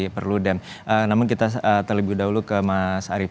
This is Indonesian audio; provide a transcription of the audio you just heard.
perlu dan namun kita terlebih dahulu ke mas arief